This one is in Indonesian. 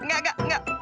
enggak enggak enggak